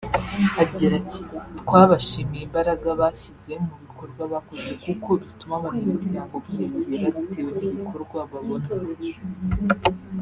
Agira ati “Twabashimiye imbaraga bashyize mu bikorwa bakoze kuko bituma abanyamuryango biyongera bitewe n’ibikorwa babona